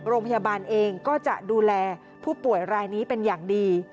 โรงพยาบาลเองก็จะดูแลผู้ป่วยรายนี้เป็นอย่างดี